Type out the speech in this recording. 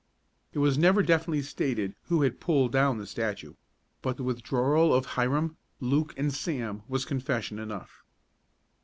It was never definitely stated who had pulled down the statue, but the withdrawal of Hiram, Luke and Sam was confession enough.